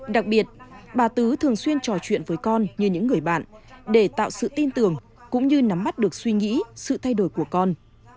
đặc biệt bà tứ thường xuyên trò chuyện với con như những người bạn để tạo sự tin tưởng cũng như nắm mắt được suy nghĩ sự thay đổi của con